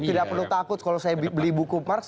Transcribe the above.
tidak perlu takut kalau saya beli buku mars